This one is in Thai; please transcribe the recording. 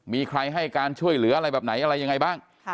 มีใครให้การช่วยเหลืออะไรแบบไหนอะไรยังไงบ้าง